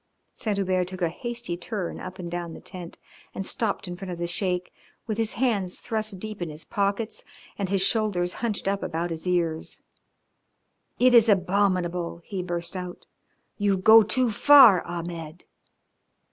Saint Hubert took a hasty turn up and down the tent and stopped in front of the Sheik with his hands thrust deep in his pockets and his shoulders hunched up about his ears. "It is abominable," he burst out. "You go too far, Ahmed."